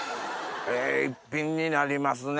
ええ一品になりますね。